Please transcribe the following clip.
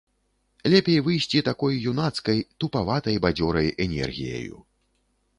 Лепей выйсці такой юнацкай, тупаватай, бадзёрай энергіяю.